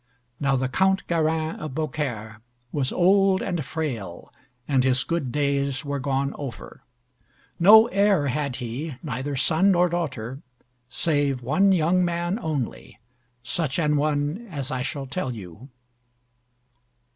Now, the Count Garin of Beaucaire was old and frail, and his good days were gone over. No heir had he, neither son nor daughter, save one young man only; such an one as I shall tell you.